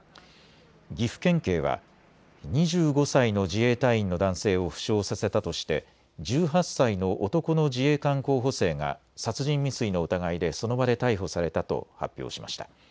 岐阜県警は２５歳の自衛隊員の男性を負傷させたとして１８歳の男の自衛官候補生が殺人未遂の疑いでその場で逮捕されたと発表しました。